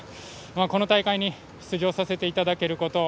この大会に出場させていただけること